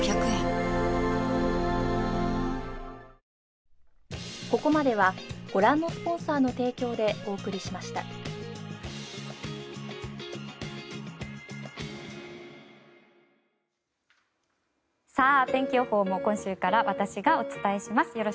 新発売天気予報も今週から私がお伝えします。